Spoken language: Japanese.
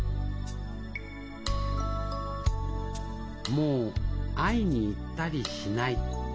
「もう会いに行ったりしない」。